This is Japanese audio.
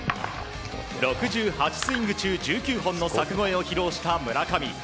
６８スイング中１９本の柵越えを披露した村上。